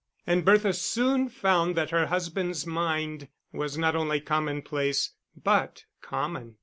And Bertha soon found that her husband's mind was not only commonplace, but common.